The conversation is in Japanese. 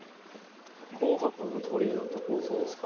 紅白の鳥居のとこですか？